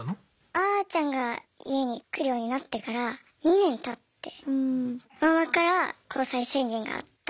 あーちゃんが家に来るようになってから２年たってママから交際宣言があったんですよね。